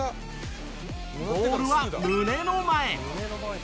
ボールは胸の前。